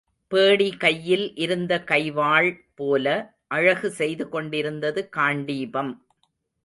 பேடி கையில் இருந்த கைவாள் போல அழகு செய்து கொண்டிருந்தது காண்டீபம்.